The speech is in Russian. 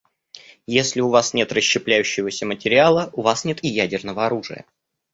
Если у вас нет расщепляющегося материала, у вас нет и ядерного оружия.